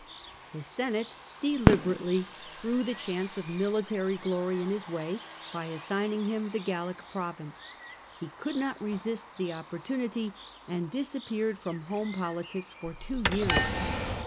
The Senate deliberately threw the chance of military glory in his way by assigning him the Gallic province ; he could not resist the opportunity, and disappeared from home politics for two years.